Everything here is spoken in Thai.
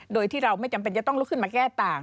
โดยที่เราไม่จำเป็นจะต้องลุกขึ้นมาแก้ต่าง